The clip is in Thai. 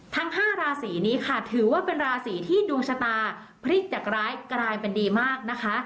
ทั้ง๕ราศีนี้ค่ะถือว่าเป็นราศีที่ดวงชะตาพลิกจากร้ายกลายเป็นดีมากนะคะ